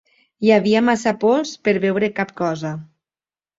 Hi havia massa pols per veure cap cosa.